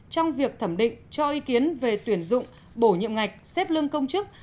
trong việc thẩm định cho ý kiến về tuyển dụng bổ nhiệm ngạch xếp lương công chức